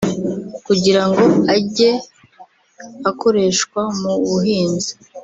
kugirango ajye akoreshwa mu buhinzi